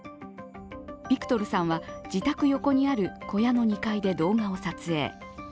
ビクトルさんは、自宅横にある小屋の２階で動画を撮影。